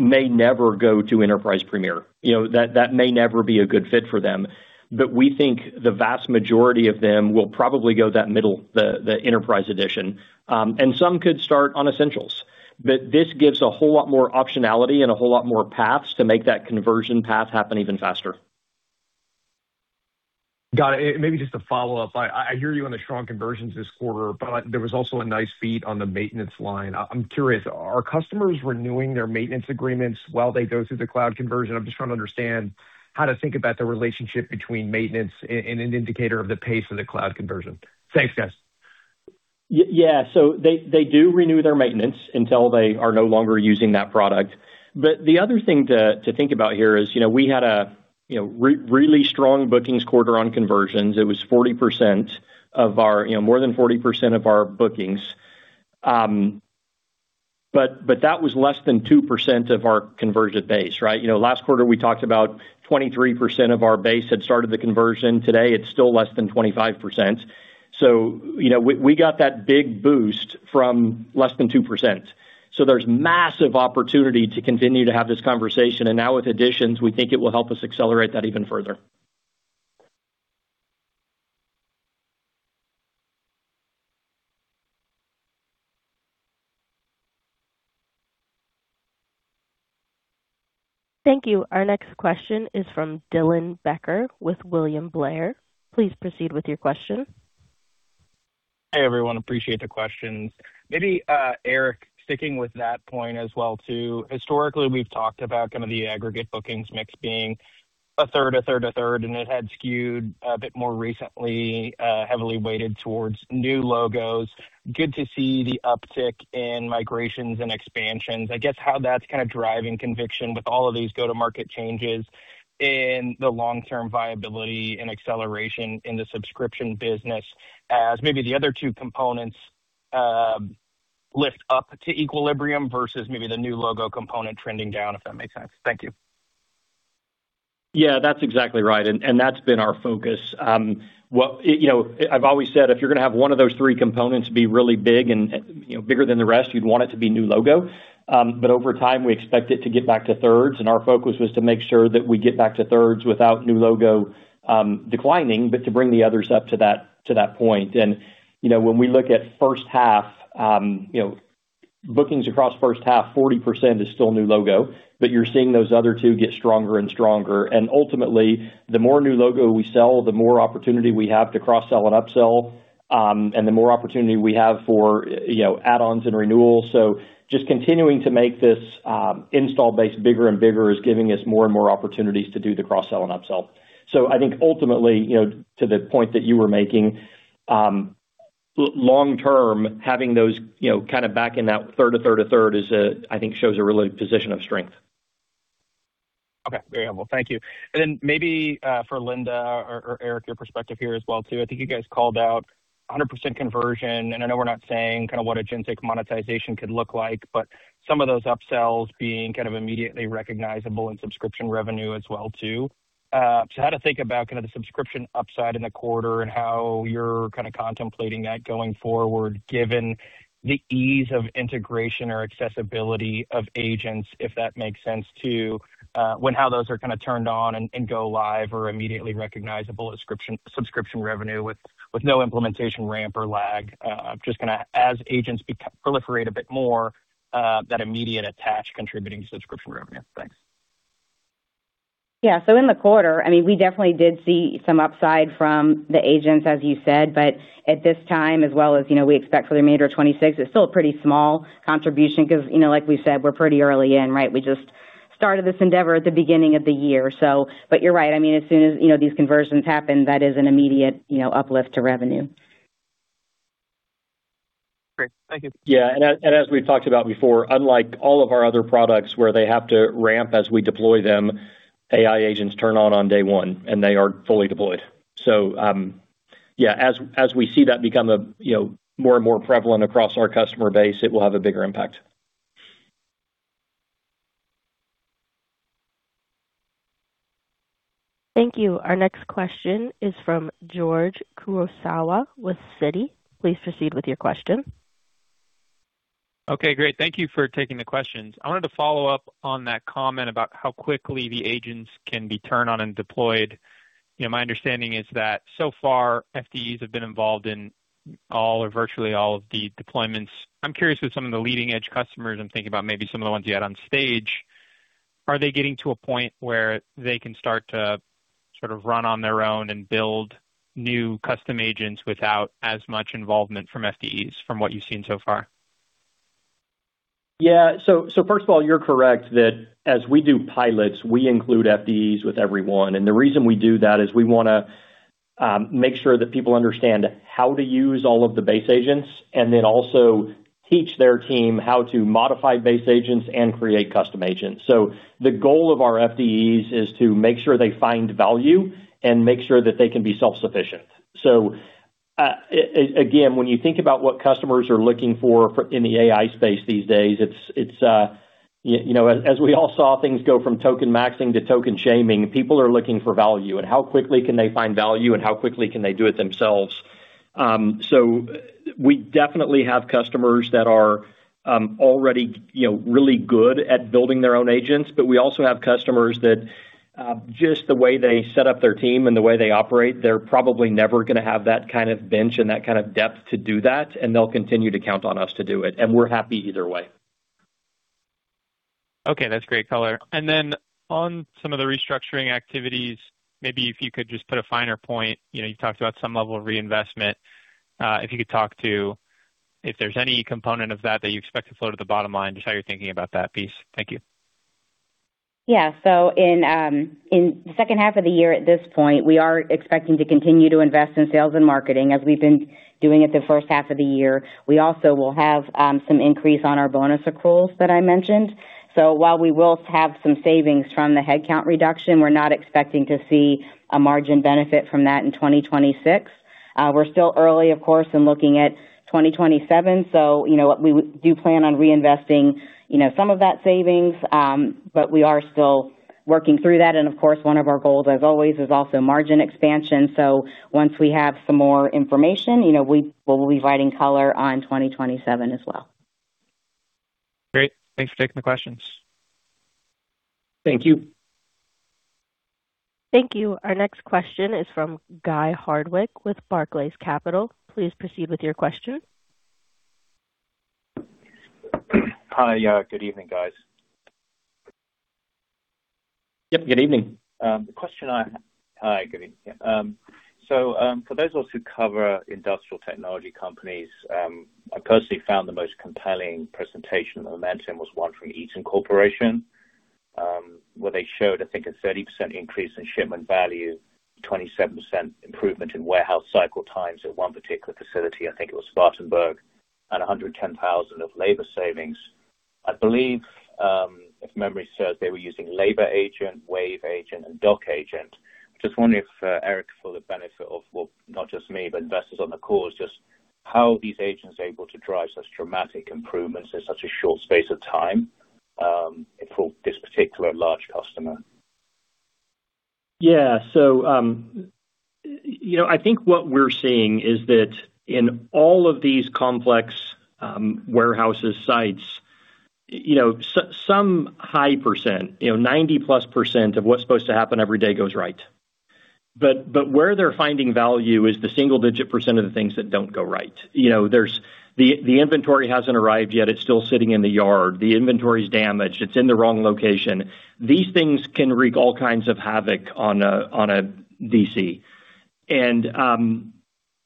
may never go to Enterprise Premier. That may never be a good fit for them. We think the vast majority of them will probably go that middle, the Enterprise Edition. Some could start on Essentials. This gives a whole lot more optionality and a whole lot more paths to make that conversion path happen even faster. Got it. Maybe just a follow-up. I hear you on the strong conversions this quarter, there was also a nice beat on the maintenance line. I'm curious, are customers renewing their maintenance agreements while they go through the cloud conversion? I'm just trying to understand how to think about the relationship between maintenance and an indicator of the pace of the cloud conversion. Thanks, guys. They do renew their maintenance until they are no longer using that product. The other thing to think about here is we had a really strong bookings quarter on conversions. It was more than 40% of our bookings. That was less than 2% of our conversion base. Last quarter, we talked about 23% of our base had started the conversion. Today, it's still less than 25%. We got that big boost from less than 2%. There's massive opportunity to continue to have this conversation. Now with additions, we think it will help us accelerate that even further. Thank you. Our next question is from Dylan Becker with William Blair. Please proceed with your question. Hey, everyone, appreciate the questions. Maybe, Eric, sticking with that point as well too. Historically, we've talked about kind of the aggregate bookings mix being a third, a third, a third. It had skewed a bit more recently, heavily weighted towards new logos. Good to see the uptick in migrations and expansions. I guess how that's kind of driving conviction with all of these go-to-market changes in the long-term viability and acceleration in the subscription business as maybe the other two components lift up to equilibrium versus maybe the new logo component trending down, if that makes sense. Thank you. Yeah, that's exactly right. That's been our focus. I've always said, if you're going to have one of those three components be really big and bigger than the rest, you'd want it to be new logo. Over time, we expect it to get back to thirds. Our focus was to make sure that we get back to thirds without new logo declining, to bring the others up to that point. When we look at first half, bookings across first half, 40% is still new logo, you're seeing those other two get stronger and stronger. Ultimately, the more new logo we sell, the more opportunity we have to cross-sell and upsell, and the more opportunity we have for add-ons and renewals. Just continuing to make this install base bigger and bigger is giving us more and more opportunities to do the cross-sell and upsell. I think ultimately, to the point that you were making, long-term, having those kind of back in that third, a third, a third, I think shows a really position of strength. Okay. Very helpful. Thank you. Maybe for Linda or Eric, your perspective here as well too. I think you guys called out 100% conversion. I know we're not saying kind of what agentic monetization could look like, some of those upsells being kind of immediately recognizable in subscription revenue as well too. How to think about kind of the subscription upside in the quarter and how you're kind of contemplating that going forward, given the ease of integration or accessibility of agents, if that makes sense too, when how those are kind of turned on and go live or immediately recognizable subscription revenue with no implementation ramp or lag. Kind of as agents proliferate a bit more, that immediate attach contributing subscription revenue. Thanks. Yeah. In the quarter, we definitely did see some upside from the agents, as you said. At this time, as well as we expect for the remainder of 2026, it's still a pretty small contribution because, like we said, we're pretty early in. We just started this endeavor at the beginning of the year or so. You're right. As soon as these conversions happen, that is an immediate uplift to revenue. Great. Thank you. Yeah. As we've talked about before, unlike all of our other products where they have to ramp as we deploy them, AI agents turn on on day one, they are fully deployed. Yeah, as we see that become more and more prevalent across our customer base, it will have a bigger impact. Thank you. Our next question is from George Kurosawa with Citi. Please proceed with your question. Okay, great. Thank you for taking the questions. I wanted to follow up on that comment about how quickly the agents can be turned on and deployed. My understanding is that so far, FDEs have been involved in all or virtually all of the deployments. I'm curious with some of the leading edge customers, I'm thinking about maybe some of the ones you had on stage. Are they getting to a point where they can start to sort of run on their own and build new custom agents without as much involvement from FDEs from what you've seen so far? Yeah. First of all, you're correct that as we do pilots, we include FDEs with everyone. The reason we do that is we want to make sure that people understand how to use all of the base agents, and then also teach their team how to modify base agents and create custom agents. The goal of our FDEs is to make sure they find value and make sure that they can be self-sufficient. Again, when you think about what customers are looking for in the AI space these days, as we all saw things go from token maxing to token shaming, people are looking for value, and how quickly can they find value, and how quickly can they do it themselves. We definitely have customers that are already really good at building their own agents, but we also have customers that just the way they set up their team and the way they operate, they're probably never going to have that kind of bench and that kind of depth to do that, and they'll continue to count on us to do it. We're happy either way. Okay, that's great color. On some of the restructuring activities, maybe if you could just put a finer point. You talked about some level of reinvestment. If you could talk to if there's any component of that that you expect to flow to the bottom line, just how you're thinking about that piece. Thank you. Yeah. In the second half of the year at this point, we are expecting to continue to invest in sales and marketing as we've been doing it the first half of the year. We also will have some increase on our bonus accruals that I mentioned. While we will have some savings from the headcount reduction, we're not expecting to see a margin benefit from that in 2026. We're still early, of course, in looking at 2027. We do plan on reinvesting some of that savings, but we are still working through that. Of course, one of our goals, as always, is also margin expansion. Once we have some more information, we will be providing color on 2027 as well. Great. Thanks for taking the questions. Thank you. Thank you. Our next question is from Guy Hardwick with Barclays Capital. Please proceed with your question. Hi. Good evening, guys. Yep, good evening. Hi, good evening. For those of us who cover industrial technology companies, I personally found the most compelling presentation on Momentum was one from Eaton Corporation, where they showed, I think, a 30% increase in shipment value, 27% improvement in warehouse cycle times at one particular facility, I think it was Spartanburg, and $110,000 of labor savings. I believe, if memory serves, they were using Labor Agent, Wave Agent, and Dock Agent. Just wondering if, Eric, for the benefit of, well, not just me, but investors on the call, is just how these agents are able to drive such dramatic improvements in such a short space of time for this particular large customer. I think what we're seeing is that in all of these complex warehouses sites, some high percent, 90%+ of what's supposed to happen every day goes right. Where they're finding value is the single-digit percent of the things that don't go right. The inventory hasn't arrived yet. It's still sitting in the yard. The inventory's damaged. It's in the wrong location. These things can wreak all kinds of havoc on a DC. In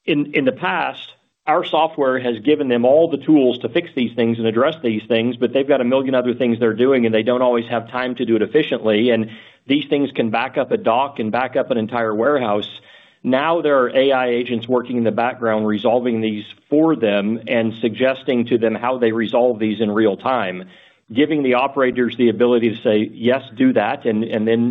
the past, our software has given them all the tools to fix these things and address these things, but they've got a million other things they're doing, and they don't always have time to do it efficiently. These things can back up a dock and back up an entire warehouse. There are AI agents working in the background resolving these for them and suggesting to them how they resolve these in real time, giving the operators the ability to say, "Yes, do that," then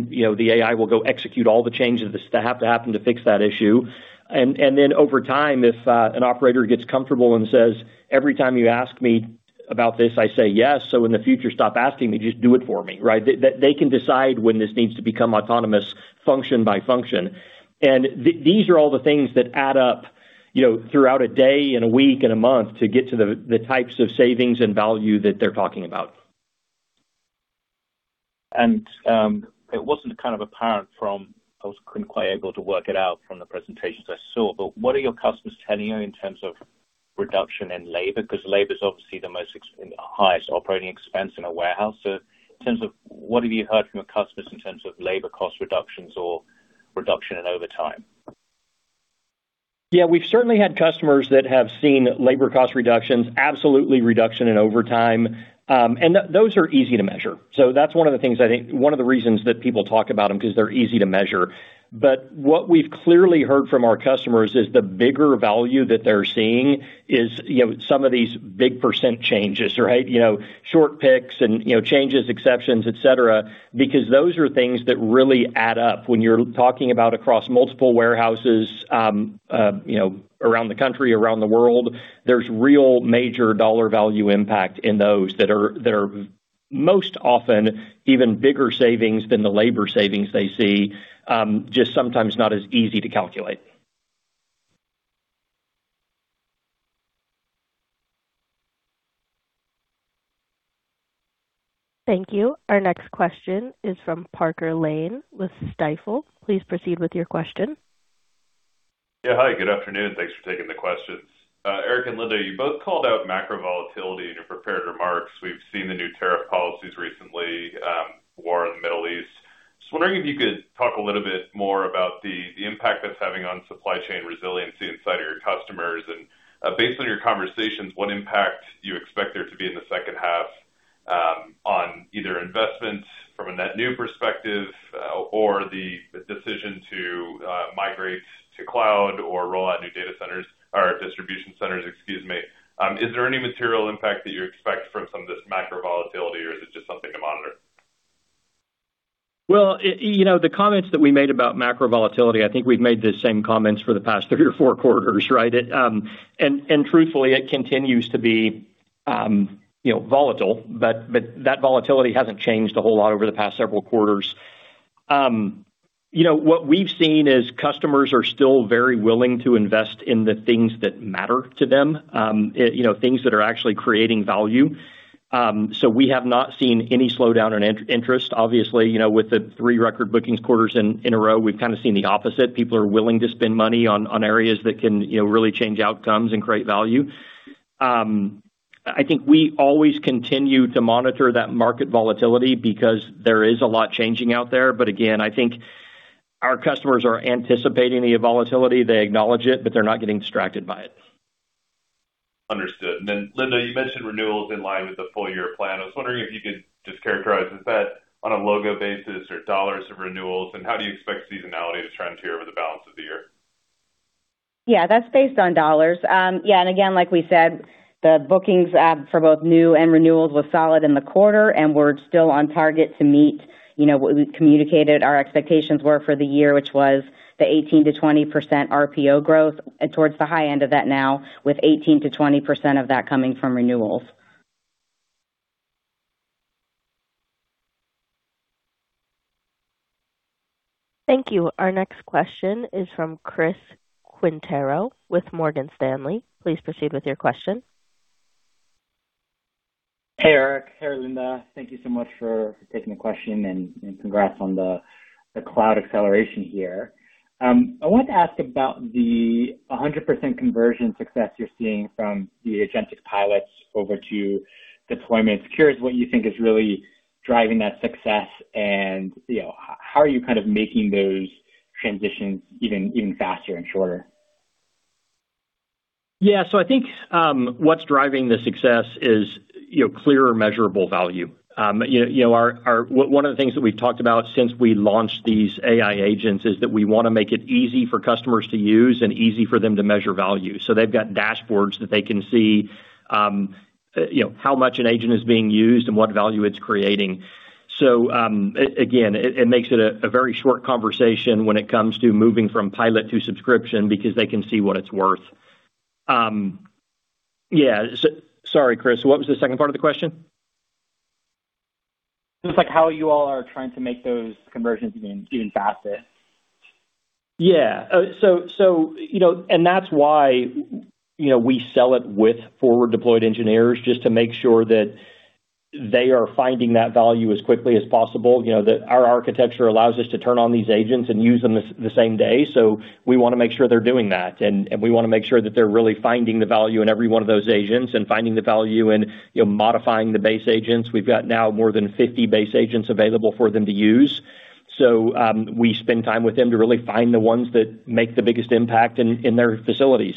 the AI will go execute all the changes that have to happen to fix that issue. Then over time, if an operator gets comfortable and says, "Every time you ask me about this, I say yes. In the future, stop asking me. Just do it for me." They can decide when this needs to become autonomous function by function. These are all the things that add up throughout a day and a week and a month to get to the types of savings and value that they're talking about. It wasn't kind of apparent from the presentations I saw, what are your customers telling you in terms of reduction in labor? Because labor is obviously the highest operating expense in a warehouse. In terms of what have you heard from your customers in terms of labor cost reductions or reduction in overtime? Yeah. We've certainly had customers that have seen labor cost reductions, absolutely reduction in overtime. Those are easy to measure. That's one of the reasons that people talk about them, because they're easy to measure. What we've clearly heard from our customers is the bigger value that they're seeing is some of these big percent changes, right? Short picks and changes, exceptions, et cetera, because those are things that really add up when you're talking about across multiple warehouses around the country, around the world. There's real major dollar value impact in those that are most often even bigger savings than the labor savings they see, just sometimes not as easy to calculate. Thank you. Our next question is from Parker Lane with Stifel. Please proceed with your question. Yeah. Hi, good afternoon. Thanks for taking the questions. Eric and Linda, you both called out macro volatility in your prepared remarks. We've seen the new tariff policies recently, war in the Middle East. Just wondering if you could talk a little bit more about the impact that's having on supply chain resiliency inside of your customers. Based on your conversations, what impact do you expect there to be in the second half on either investments from a net new perspective or the decision to migrate to cloud or roll out new data centers or distribution centers, excuse me. Is there any material impact that you expect from some of this macro volatility, or is it just something to monitor? Well, the comments that we made about macro volatility, I think we've made the same comments for the past three or four quarters, right? Truthfully, it continues to be volatile, but that volatility hasn't changed a whole lot over the past several quarters. What we've seen is customers are still very willing to invest in the things that matter to them, things that are actually creating value. We have not seen any slowdown in interest. Obviously, with the three record bookings quarters in a row, we've kind of seen the opposite. People are willing to spend money on areas that can really change outcomes and create value. I think we always continue to monitor that market volatility because there is a lot changing out there. Again, I think our customers are anticipating the volatility. They acknowledge it, but they're not getting distracted by it. Understood. Linda, you mentioned renewals in line with the full-year plan. I was wondering if you could just characterize, is that on a logo basis or dollars of renewals, and how do you expect seasonality to trend here over the balance of the year? That's based on dollars. Again, like we said, the bookings for both new and renewals was solid in the quarter, and we're still on target to meet what we communicated our expectations were for the year, which was the 18%-20% RPO growth towards the high end of that now, with 18%-20% of that coming from renewals. Thank you. Our next question is from Chris Quintero with Morgan Stanley. Please proceed with your question. Hey, Eric. Hey, Linda. Thank you so much for taking the question and congrats on the cloud acceleration here. I wanted to ask about the 100% conversion success you're seeing from the agentic pilots over to deployments. I'm curious what you think is really driving that success and how are you kind of making those transitions even faster and shorter? Yeah. I think what's driving the success is clearer measurable value. One of the things that we've talked about since we launched these AI agents is that we want to make it easy for customers to use and easy for them to measure value. They've got dashboards that they can see how much an agent is being used and what value it's creating. Again, it makes it a very short conversation when it comes to moving from pilot to subscription because they can see what it's worth. Yeah. Sorry, Chris, what was the second part of the question? Just like how you all are trying to make those conversions even faster. Yeah. That's why we sell it with Forward Deployed Engineers, just to make sure that they are finding that value as quickly as possible, that our architecture allows us to turn on these agents and use them the same day. We want to make sure they're doing that, and we want to make sure that they're really finding the value in every one of those agents and finding the value in modifying the base agents. We've got now more than 50 base agents available for them to use. We spend time with them to really find the ones that make the biggest impact in their facilities.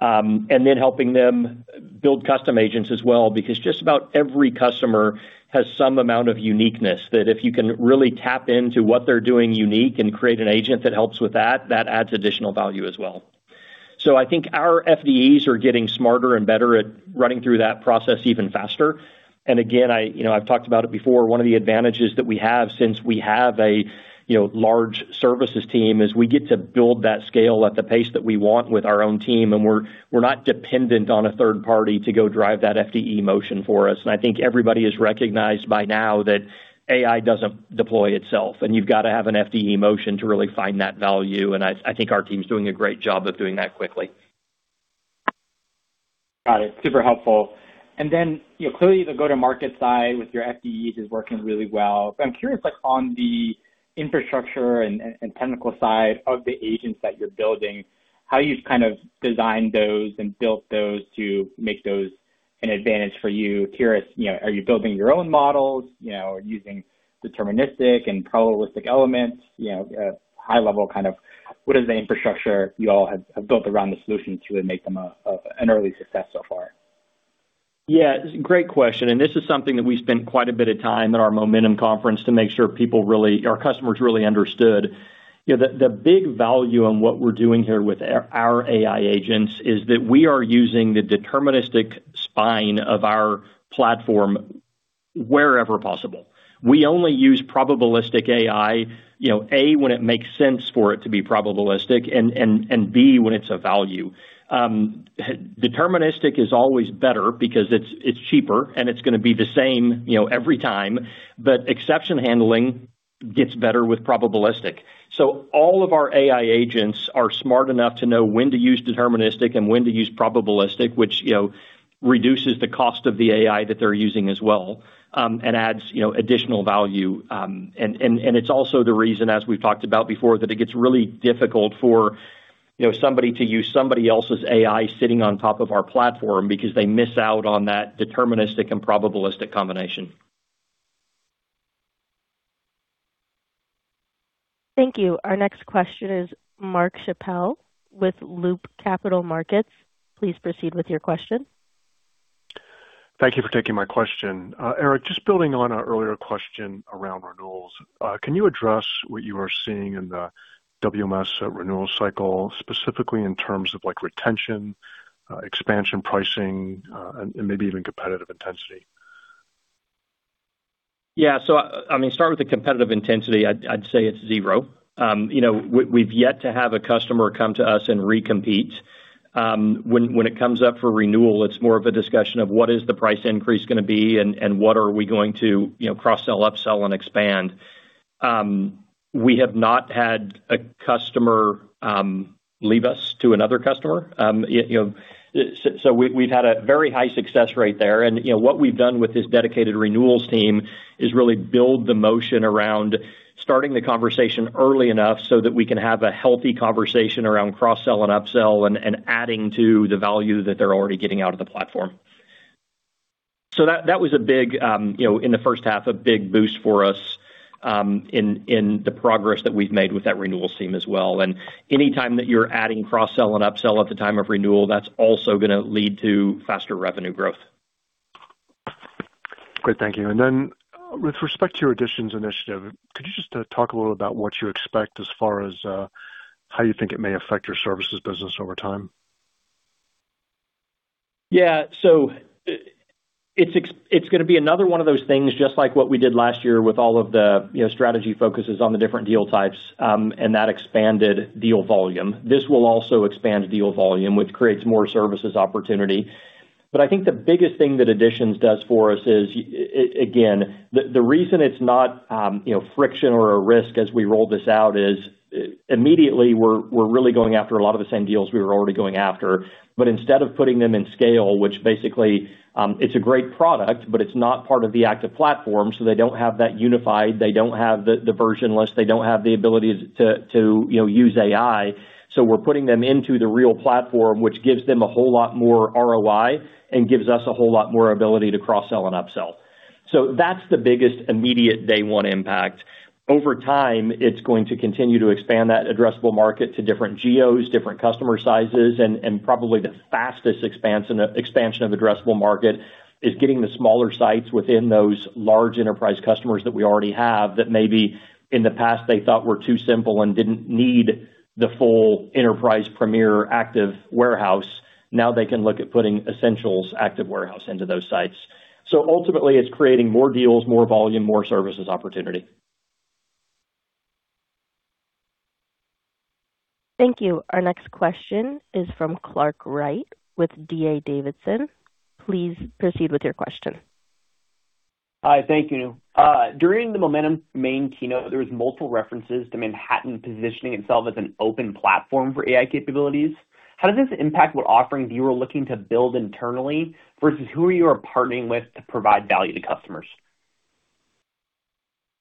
Then helping them build custom agents as well, because just about every customer has some amount of uniqueness, that if you can really tap into what they're doing unique and create an agent that helps with that adds additional value as well. I think our FDEs are getting smarter and better at running through that process even faster. Again, I've talked about it before. One of the advantages that we have since we have a large services team is we get to build that scale at the pace that we want with our own team, and we're not dependent on a third party to go drive that FDE motion for us. I think everybody has recognized by now that AI doesn't deploy itself, and you've got to have an FDE motion to really find that value, and I think our team's doing a great job of doing that quickly. Got it. Super helpful. Clearly the go-to-market side with your FDEs is working really well. I'm curious, like on the infrastructure and technical side of the agents that you're building, how you've kind of designed those and built those to make those an advantage for you. Curious, are you building your own models? Using deterministic and probabilistic elements? High level kind of what is the infrastructure you all have built around the solution to make them an early success so far? Yeah, great question. This is something that we spent quite a bit of time at our Momentum conference to make sure our customers really understood. The big value in what we're doing here with our AI agents is that we are using the deterministic spine of our platform wherever possible. We only use probabilistic AI, A, when it makes sense for it to be probabilistic, and B, when it's of value. Deterministic is always better because it's cheaper, and it's going to be the same every time. Exception handling gets better with probabilistic. All of our AI agents are smart enough to know when to use deterministic and when to use probabilistic, which reduces the cost of the AI that they're using as well, and adds additional value. It's also the reason, as we've talked about before, that it gets really difficult for somebody to use somebody else's AI sitting on top of our platform because they miss out on that deterministic and probabilistic combination. Thank you. Our next question is Mark Schappel with Loop Capital Markets. Please proceed with your question. Thank you for taking my question. Eric, just building on an earlier question around renewals. Can you address what you are seeing in the WMS renewal cycle, specifically in terms of like retention, expansion pricing, and maybe even competitive intensity? Yeah. I mean, start with the competitive intensity. I'd say it's zero. We've yet to have a customer come to us and re-compete. When it comes up for renewal, it's more of a discussion of what is the price increase going to be and what are we going to cross-sell, upsell and expand? We have not had a customer leave us to another customer. We've had a very high success rate there. What we've done with this dedicated renewals team is really build the motion around starting the conversation early enough so that we can have a healthy conversation around cross-sell and upsell and adding to the value that they're already getting out of the platform. That was, in the first half, a big boost for us, in the progress that we've made with that renewals team as well. Anytime that you're adding cross-sell and upsell at the time of renewal, that's also going to lead to faster revenue growth. Great. Thank you. Then with respect to your Editions initiative, could you just talk a little about what you expect as far as how you think it may affect your services business over time? Yeah. It's going to be another one of those things, just like what we did last year with all of the strategy focuses on the different deal types, that expanded deal volume. This will also expand deal volume, which creates more services opportunity. I think the biggest thing that Editions does for us is, again, the reason it's not friction or a risk as we roll this out is immediately, we're really going after a lot of the same deals we were already going after. Instead of putting them in SCALE, which basically, it's a great product, but it's not part of the ActivePlatform, so they don't have that unified, they don't have the version list, they don't have the ability to use AI. We're putting them into the real platform, which gives them a whole lot more ROI and gives us a whole lot more ability to cross-sell and upsell. That's the biggest immediate day one impact. Over time, it's going to continue to expand that addressable market to different geos, different customer sizes, and probably the fastest expansion of addressable market is getting the smaller sites within those large enterprise customers that we already have that maybe in the past they thought were too simple and didn't need the full Enterprise Premier ActiveWarehouse. Now they can look at putting Essentials ActiveWarehouse into those sites. Ultimately, it's creating more deals, more volume, more services opportunity. Thank you. Our next question is from Clark Wright with D.A. Davidson. Please proceed with your question. Hi. Thank you. During the Momentum main keynote, there was multiple references to Manhattan positioning itself as an open platform for AI capabilities. How does this impact what offerings you are looking to build internally, versus who you are partnering with to provide value to customers?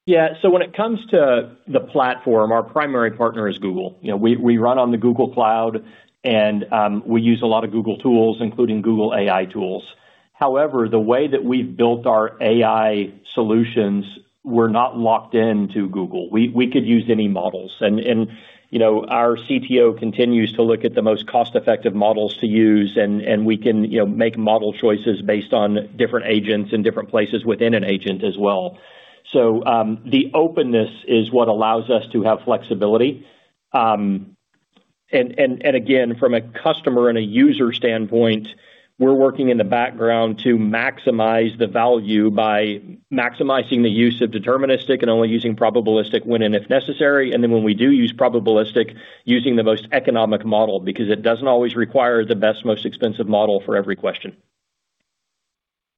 Yeah. When it comes to the platform, our primary partner is Google. We run on the Google Cloud and we use a lot of Google tools, including Google AI tools. However, the way that we've built our AI solutions, we're not locked into Google. We could use any models. Our CTO continues to look at the most cost-effective models to use, and we can make model choices based on different agents and different places within an agent as well. The openness is what allows us to have flexibility. Again, from a customer and a user standpoint, we're working in the background to maximize the value by maximizing the use of deterministic and only using probabilistic when and if necessary. Then when we do use probabilistic, using the most economic model, because it doesn't always require the best, most expensive model for every question.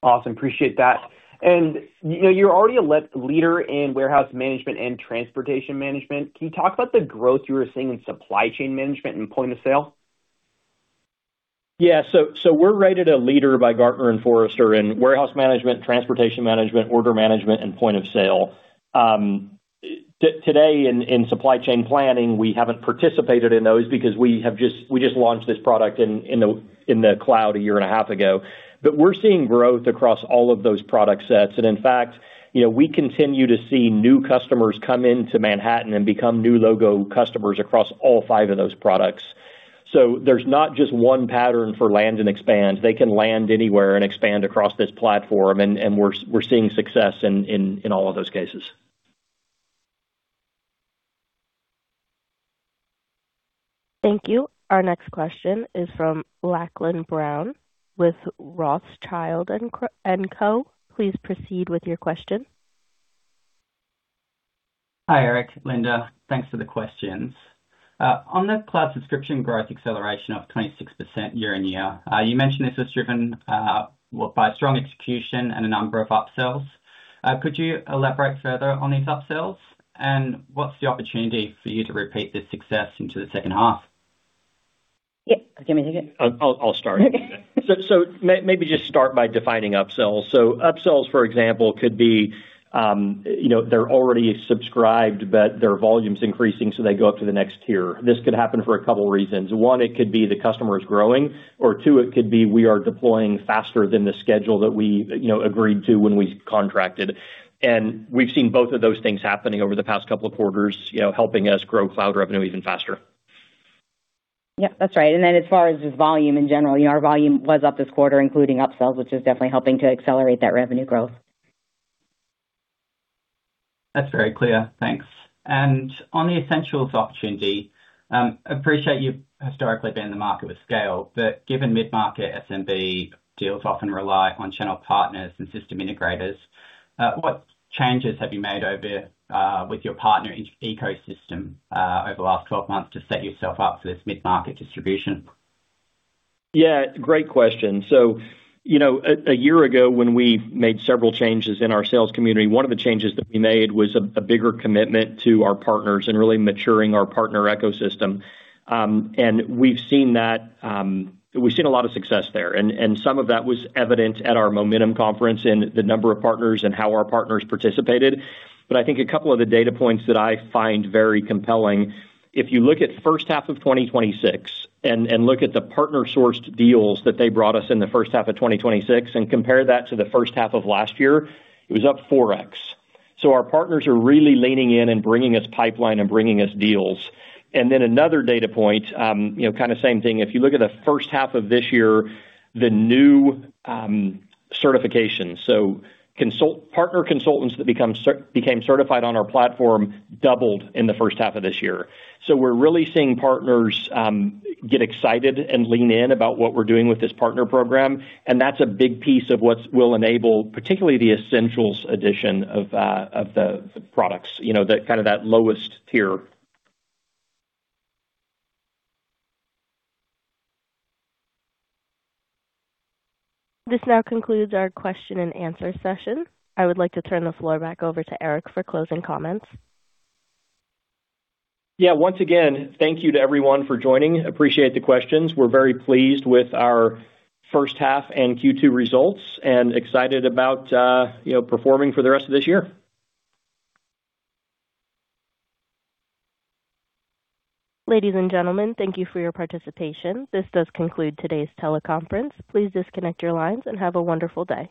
Awesome. Appreciate that. You're already a leader in warehouse management and transportation management. Can you talk about the growth you are seeing in supply chain management and point of sale? Yeah. We're rated a leader by Gartner and Forrester in warehouse management, transportation management, order management, and point of sale. Today in supply chain planning, we haven't participated in those because we just launched this product in the cloud a year and a half ago. We're seeing growth across all of those product sets. In fact, we continue to see new customers come into Manhattan and become new logo customers across all five of those products. There's not just one pattern for land and expand. They can land anywhere and expand across this platform, and we're seeing success in all of those cases. Thank you. Our next question is from Lachlan Brown with Rothschild & Co. Please proceed with your question. Hi, Eric, Linda. Thanks for the questions. On the cloud subscription growth acceleration of 26% year-over-year, you mentioned this was driven by strong execution and a number of upsells. Could you elaborate further on these upsells, and what's the opportunity for you to repeat this success into the second half? Yeah. Do you want me to take it? I'll start. Okay. Maybe just start by defining upsells. Upsells, for example, could be they're already subscribed, but their volume's increasing, so they go up to the next tier. This could happen for a couple reasons. One, it could be the customer is growing, or two, it could be we are deploying faster than the schedule that we agreed to when we contracted. We've seen both of those things happening over the past couple of quarters, helping us grow cloud revenue even faster. Yep, that's right. As far as just volume in general, our volume was up this quarter, including upsells, which is definitely helping to accelerate that revenue growth. That's very clear. Thanks. On the Essentials opportunity, appreciate you've historically been in the market with SCALE, but given mid-market SMB deals often rely on channel partners and system integrators, what changes have you made with your partner ecosystem over the last 12 months to set yourself up for this mid-market distribution? Yeah. Great question. A year ago, when we made several changes in our sales community, one of the changes that we made was a bigger commitment to our partners and really maturing our partner ecosystem. We've seen a lot of success there. Some of that was evident at our Momentum conference in the number of partners and how our partners participated. I think a couple of the data points that I find very compelling, if you look at first half of 2026, and look at the partner-sourced deals that they brought us in the first half of 2026 and compare that to the first half of last year, it was up 4x. Our partners are really leaning in and bringing us pipeline and bringing us deals. Another data point, kind of same thing. If you look at the first half of this year, the new certifications. Partner consultants that became certified on our platform doubled in the first half of this year. We're really seeing partners get excited and lean in about what we're doing with this partner program, and that's a big piece of what will enable particularly the Essentials Edition of the products, kind of that lowest tier. This now concludes our question and answer session. I would like to turn the floor back over to Eric for closing comments. Once again, thank you to everyone for joining. Appreciate the questions. We're very pleased with our first half and Q2 results and excited about performing for the rest of this year. Ladies and gentlemen, thank you for your participation. This does conclude today's teleconference. Please disconnect your lines and have a wonderful day.